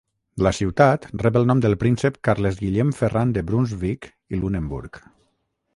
La ciutat rep el nom del príncep Carles-Guillem Ferran de Brunsvic i Lunenburg.